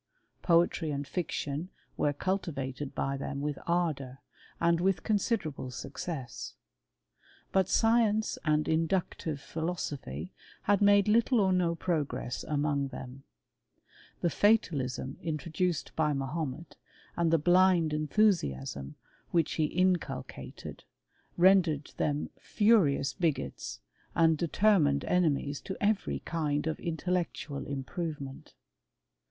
Poetey and fid were cultivated by them with ardour, and with coi derable success. But science and inductive phi sophy, had made little or no progress among the The fatalism introduced by Mahomet, and the bl: enthusiasm which he inculcated; rendered them CHBimTRT or THE AltABlAVS. Ill rious bigots and determined enemies to every kind of intellectual improvement.